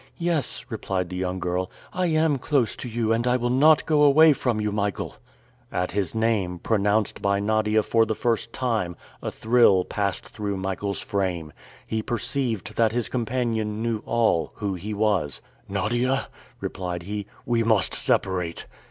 "Yes," replied the young girl; "I am close to you, and I will not go away from you, Michael." At his name, pronounced by Nadia for the first time, a thrill passed through Michael's frame. He perceived that his companion knew all, who he was. "Nadia," replied he, "we must separate!"